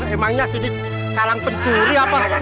emangnya sini kalang pencuri apa